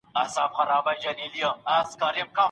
رسول الله مسلمانان د نسل له تحديد څخه منع کړي دي.